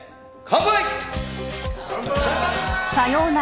乾杯！